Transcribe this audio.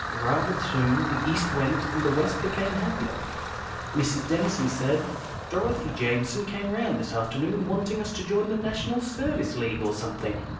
Rather soon the East went, and the West became happier. Miss Denison said, "Dorothy Jamison came round this afternoon, wanting us to join the National Service League or something."